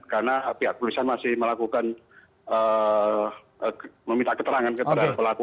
karena pihak kepolisian masih meminta keterangan kepada pelaku